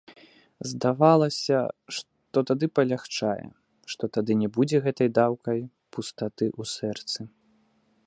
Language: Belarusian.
Здавалася, што тады палягчэе, што тады не будзе гэтай даўкай пустаты ў сэрцы.